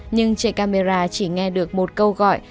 nhưng trích camera chỉ nghe được một câu gọi